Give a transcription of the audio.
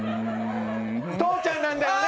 父ちゃんなんだよね？